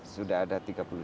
sudah ada tiga puluh tujuh